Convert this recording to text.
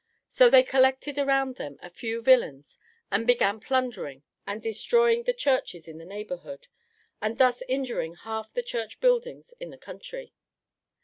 So they collected around them a few villains and began plundering and destroying the churches in the neighborhood and thus injuring half the church buildings in the country.